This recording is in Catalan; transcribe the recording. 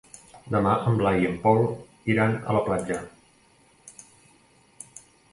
Demà en Blai i en Pol iran a la platja.